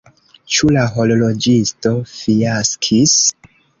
Ĉu la horloĝisto fiaskis?